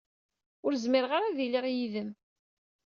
Ur zmireɣ ara ad iliɣ yid-m.